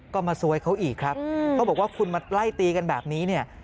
ก็มาซวยเขาอีกครับเขาบอกว่าคุณมาไล่ตีกันแบบนี้เนี่ย